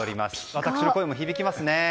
私の声も響きますね。